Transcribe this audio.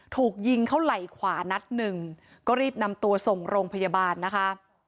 ถูกยิงเข้าไหล่ขวานัดหนึ่งก็รีบนำตัวส่งโรงพยาบาลนะคะ